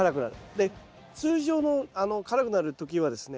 で通常の辛くなる時はですね